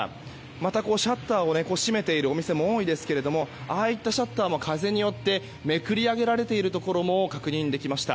また、シャッターを閉めているお店も多いですがああいったシャッターも風によってめくりあげられているところも確認できました。